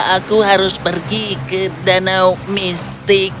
aku harus pergi ke danau mistik